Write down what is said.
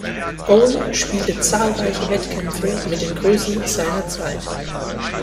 Owen spielte zahlreiche Wettkämpfe mit den Größen seiner Zeit.